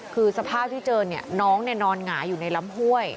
คือสภาพที่เจอเนี่ยน้องนอนหงายอยู่ในลำห้วย